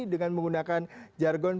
dengan menggunakan jargon